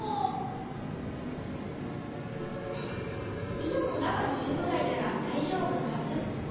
いどのなかにいうぐらいならだいじょうぶなはず。